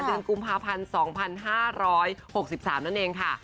เดือนกุมภาพันธ์๒๕๖๓นั่นเองค่ะ